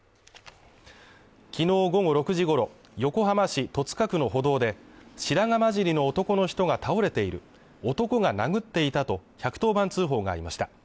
きのう午後６時ごろ、横浜市戸塚区の歩道で、白髪交じりの男の人が倒れている男が殴っていたと、１１０番通報がありました。